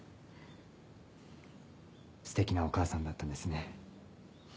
素敵なお母さんだったんですね。